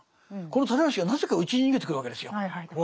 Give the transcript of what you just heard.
この直義がなぜかうちに逃げてくるわけですよ。